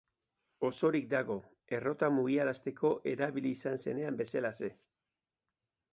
Osorik dago, errota mugiarazteko erabili izan zenean bezalaxe.